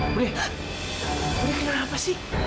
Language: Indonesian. budi kenapa sih